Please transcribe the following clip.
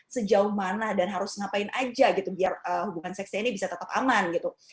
sejauh mana dan harus ngapain aja gitu biar hubungan seksnya ini bisa tetap aman gitu